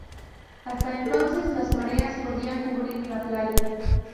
Hasta entonces las mareas podían cubrir la playa.